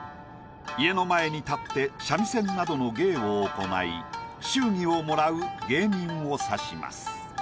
家の前に立って三味線などの芸を行い祝儀をもらう芸人を指します。